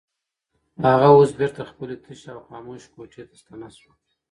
هغه اوس بېرته خپلې تشې او خاموشې کوټې ته ستنه شوه.